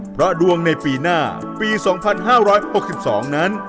เพราะดวงในปีหน้าปีสองพันห้าร้อยหกสิบสองนั้น